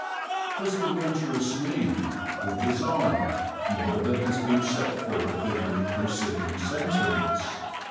Does the motorist need, or desire, more than has been set forth in the preceding sentence?